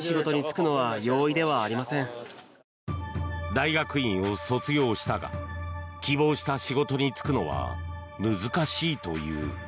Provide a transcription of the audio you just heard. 大学院を卒業したが希望した仕事に就くのは難しいという。